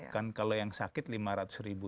kan kalau yang sakit lima ratus ribu